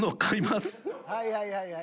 はいはいはいはい。